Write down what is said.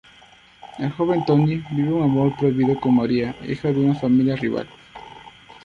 El joven Toni, vive un amor prohibido con Maria, hija de una familia rival.